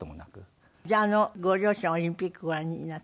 じゃあご両親はオリンピックご覧になった？